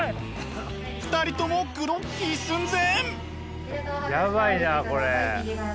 ２人ともグロッキー寸前。